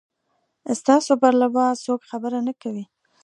ستاسو پر لباس څوک خبره نه کوي.